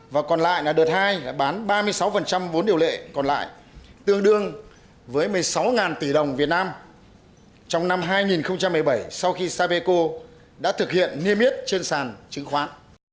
và còn lại là đợt hai là bán ba mươi sáu vốn điều lệ còn lại tương đương với một mươi sáu tỷ đồng việt nam trong năm hai nghìn một mươi bảy sau khi sapeco đã thực hiện niêm yết trên sàn chứng khoán